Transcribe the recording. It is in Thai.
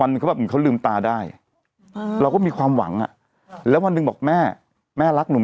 มันมีความสุขมากเลยตอนที่แบบคุณแม่เขาหลับไปประมาณสัก๕๖เดือน